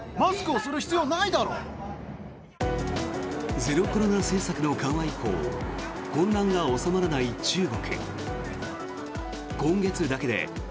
ゼロコロナ政策の緩和以降混乱が収まらない中国。